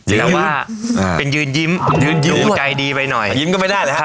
แล้วว่าอ่าเป็นยืนยิ้มยืนยิ้มดูใจดีไปหน่อยยิ้มก็ไม่ได้เลยฮะ